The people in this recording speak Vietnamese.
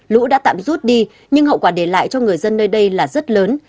lũ đã tạm rút đi nhưng hậu quả để lại cho người dân nơi đây là rất lớn